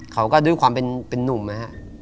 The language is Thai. เขาก็ด้วยความเป็นนุ่มนะฮะ